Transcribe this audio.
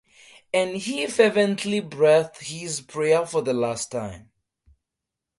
And he fervently breathed his prayer for the last time.